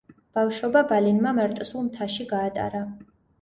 ბავშვობა ბალინმა მარტოსულ მთაში გაატარა.